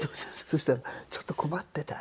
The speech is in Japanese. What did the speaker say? そしたらちょっと困っていたね。